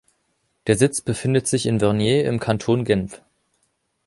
Der Sitz befindet sich in Vernier im Kanton Genf.